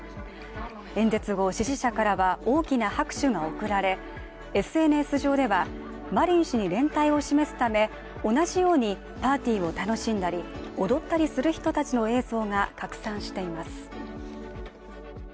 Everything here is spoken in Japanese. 演説後、支持者からは大きな拍手が送られＳＮＳ上では、マリン氏に連帯を示すため同じようにパーティーを楽しんだり踊ったりする人たちの映像が核散しています。